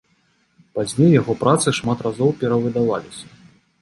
Пазней яго працы шмат разоў перавыдаваліся.